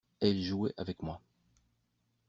Elle jouait avec moi.